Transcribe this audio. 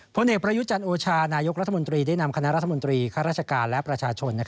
ผลเอกประยุจันทร์โอชานายกรัฐมนตรีได้นำคณะรัฐมนตรีข้าราชการและประชาชน